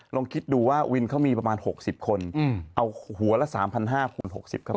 ลองคิดดูว่าวินเขามีประมาณ๖๐คนเอาหัวละ๓๕๐๐คูณ๖๐เข้าไป